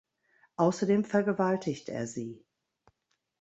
Außerdem vergewaltigt er sie.